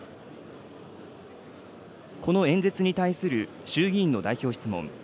この演説に対する衆議院の代表質問。